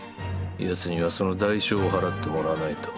ヤツにはその代償を払ってもらわないと。